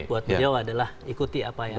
buat beliau adalah ikuti apa yang